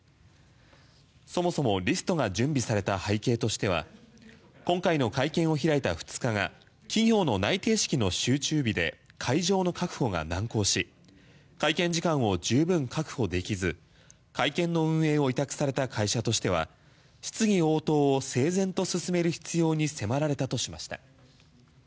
そもそもリストが準備された背景としては今回の会見を開いた２日が企業の内定式の集中日で会場の確保が難航し会見時間を十分確保できず会見の運営を委託された会社としては質疑応答を整然と進める必要に迫られたとしました。